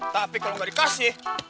tapi kalo gak dikasih